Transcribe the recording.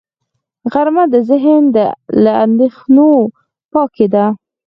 غرمه د ذهن له اندېښنو پاکي ده